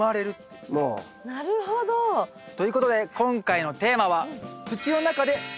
なるほど！ということで今回のテーマはお。